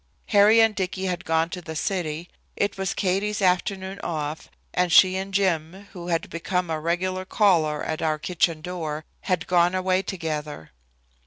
Harry and Dicky had gone to the city. It was Katie's afternoon off, and she and Jim, who had become a regular caller at our kitchen door, had gone away together.